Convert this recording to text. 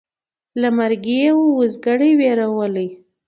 له مرګي یې وو اوزګړی وېرولی